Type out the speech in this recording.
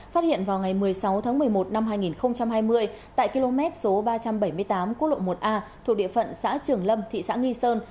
phát hiện vào ngày một mươi sáu tháng một mươi một năm hai nghìn hai mươi tại km số ba trăm bảy mươi tám quốc lộ một a thuộc địa phận xã trường lâm thị xã nghi sơn